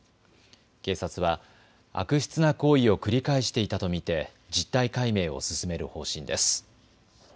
警察は悪質な行為を繰り返していたと見て実態解明を進める方針です。